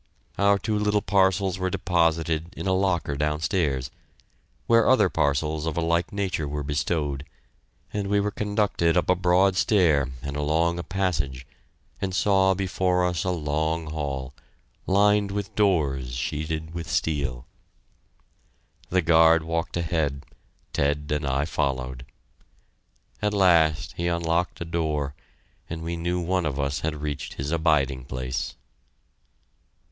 Our two little parcels were deposited in a locker downstairs, where other parcels of a like nature were bestowed, and we were conducted up a broad stair and along a passage, and saw before us a long hall, lined with doors sheeted with steel. The guard walked ahead; Ted and I followed. At last he unlocked a door, and we knew one of us had reached his abiding place.